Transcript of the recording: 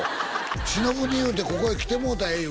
「忍に言うてここへ来てもろうたらええ」